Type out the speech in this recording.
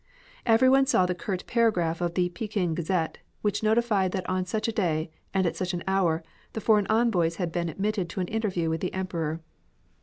Every one saw the curt paragraph in the Peking Gazette, which notified that on such a day and at such an hour the foreign envoys had been admitted to an interview with the Emperor.